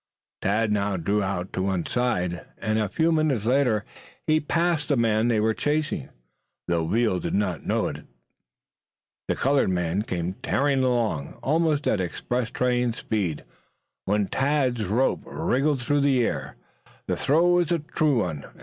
Tad now drew out to one side and a few minutes later he passed the man they were chasing, though Veal did not know of this. The colored man came tearing along at almost express train speed, when Tad's rope wriggled through the air. The throw was a true one.